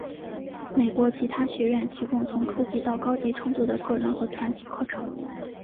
美国吉他学院提供从初级到高级程度的个人和团体课程。